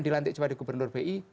dilantik kepada gubernur bi